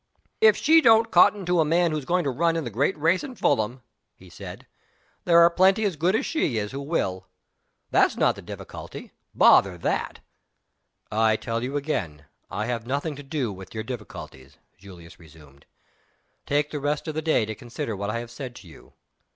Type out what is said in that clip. "If she don't cotton to a man who's going to run in the Great Race at Fulham," he said, "there are plenty as good as she is who will! That's not the difficulty. Bother that!" "I tell you again, I have nothing to do with your difficulties," Julius resumed. "Take the rest of the day to consider what I have said to you.